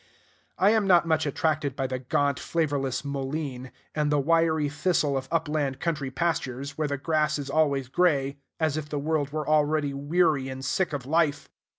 I am not much attracted by the gaunt, flavorless mullein, and the wiry thistle of upland country pastures, where the grass is always gray, as if the world were already weary and sick of life.